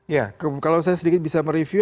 ya kalau saya sedikit bisa mereview